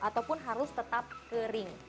ataupun harus tetap kering